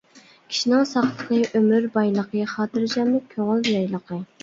كىشىنىڭ ساقلىقى ئۆمۈر بايلىقى، خاتىرجەملىك كۆڭۈل يايلىقى.